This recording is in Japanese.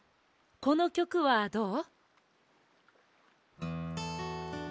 このきょくはどう？